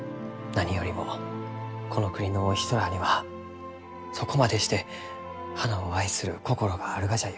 何よりもこの国のお人らあにはそこまでして花を愛する心があるがじゃゆうて。